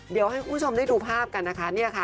เดี๋ยวให้คุณผู้ชมได้ดูภาพกัน